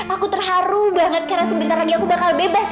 aku terharu banget karena sebentar lagi aku bakal bebas